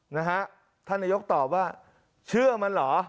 นะฮะท่านนายกตอบว่าเชื่อมันเหรอ